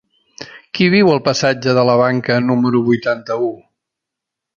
Qui viu al passatge de la Banca número vuitanta-u?